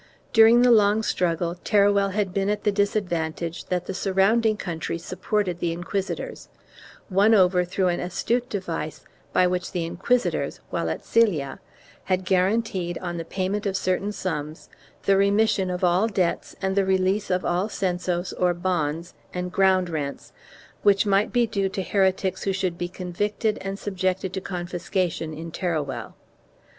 During the long struggle Teruel had been at the disadvantage that the surrounding country supported the inquisitors, won over through an astute device by which the inquisitors, while at Cella, had guaranteed, on the payment of certain sums, the remission of all debts and the release of all censos or bonds and groundrents, which might be due to heretics who should be convicted and subjected to confiscation in Teruel.